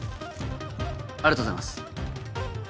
ありがとうございます。